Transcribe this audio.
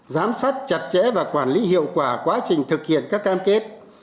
giám sát chặt chẽ và quản lý hiệu quả quá trình thực hiện các cam kết